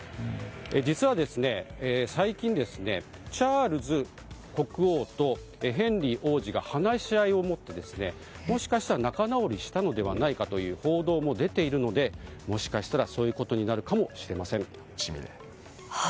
実は最近、チャールズ国王とヘンリー王子が話し合いを持ってもしかしたら仲直りしたのではないかという報道も出ているのでもしかしたら、そういうことになるかもしれません。